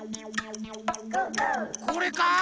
これか？